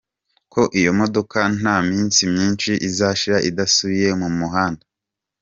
ko iyo modoka nta minsi myinshi izashira idasubiye mu muhanda.